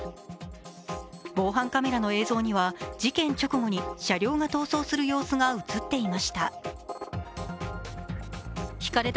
防犯カメラの映像には、事件直後に車両が逃走する様子が映っていました。